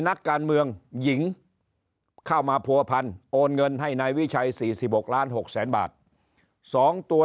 นักการเมืองหญิงเข้ามาผัวพันโอนเงินให้นายวิชัย๔๖ล้าน๖แสนบาท๒ตัว